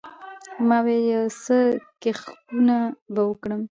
ما وې يو څه کښښونه به وکړم.